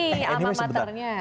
eh anyway sebentar